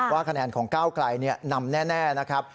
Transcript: คะแนนของก้าวไกลนำแน่นะครับ